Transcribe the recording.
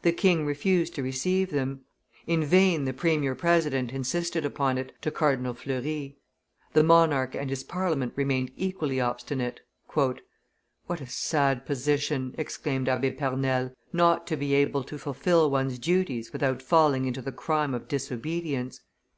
The king refused to receive them; in vain the premier president insisted upon it, to Cardinal Fleury; the monarch and his Parliament remained equally obstinate. "What a sad position!" exclaimed Abbe Pernelle, "not to be able to fulfil one's duties without falling into the crime of disobedience!